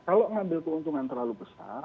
kalau ngambil keuntungan terlalu besar